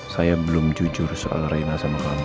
saya belum jujur soal reina sama kami